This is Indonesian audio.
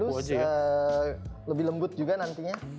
lebih halus lebih lembut juga nantinya